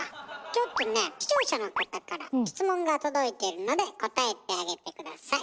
ちょっとね視聴者の方から質問が届いているので答えてあげて下さい。